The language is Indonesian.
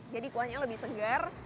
jadi kuahnya lebih segar